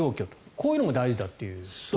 こういうのも大事だという。